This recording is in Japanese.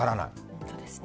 本当ですね。